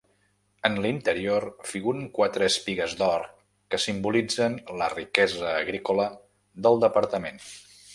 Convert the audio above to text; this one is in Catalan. En l'interior figuren quatre espigues d'or que simbolitzen la riquesa agrícola del departament.